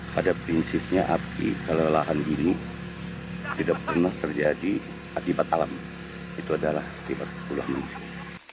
pada prinsipnya api kalau lahan ini tidak pernah terjadi akibat alam itu adalah akibat pulau mandiri